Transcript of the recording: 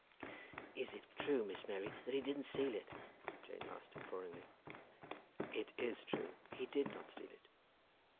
"Is it true, Miss Mary, that he didn't steal it?" Jane asked imploringly. "It is true. He did not steal it."